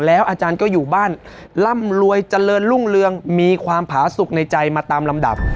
อาจารย์ก็อยู่บ้านร่ำรวยเจริญรุ่งเรืองมีความผาสุขในใจมาตามลำดับ